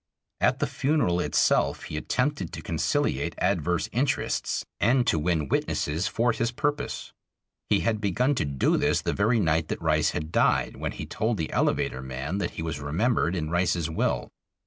At the funeral itself he attempted to conciliate adverse interests and to win witnesses for his purpose. He had begun to do this the very night that Rice had died, when he told the elevator man that he was remembered in Rice's will.